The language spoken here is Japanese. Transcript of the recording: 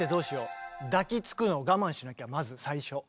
抱きつくのを我慢しなきゃまず最初。